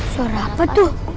suara apa tuh